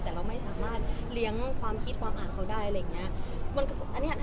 แต่เราไม่สามารถเลี้ยงความคิดความอ่านเค้าได้